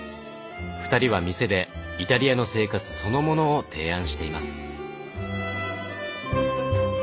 ２人は店でイタリアの生活そのものを提案しています。